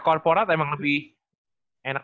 korporat emang lebih enak